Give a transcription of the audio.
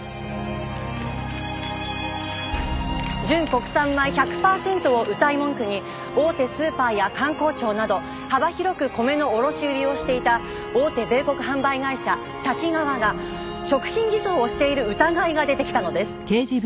純国産米１００パーセントをうたい文句に大手スーパーや官公庁など幅広く米の卸売りをしていた大手米穀販売会社タキガワが食品偽装をしている疑いが出てきたのです。